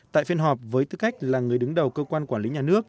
tại phiên họp với tư cách là người đứng đầu cơ quan quản lý nhà nước